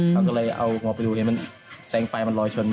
เขาก็เลยเอางอไปดูแสงไฟมันลอยชน